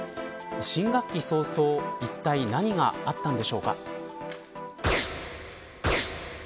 新学期早々いったい何があったのでしょうか。